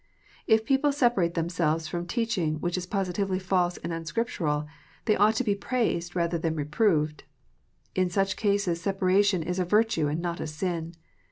If people separate themselves from teaching which is positively false and unscriptural, they ought to be praised rather than reproved. In such cases separation is a virtue and not a sin.